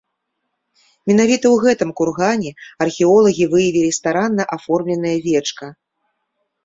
Менавіта ў гэтым кургане археолагі выявілі старанна аформленае вечка.